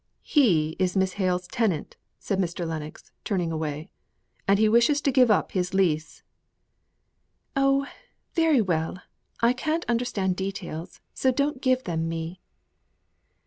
"He is Miss Hale's tenant," said Mr. Lennox, turning away. "And he wishes to give up his lease." "Oh! very well. I can't understand details, so don't give them me."